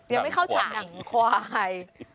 ยังไม่เข้าฉาย